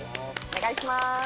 お願いします。